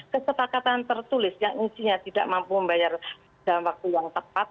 kesepakatan tertulis yang isinya tidak mampu membayar dalam waktu yang tepat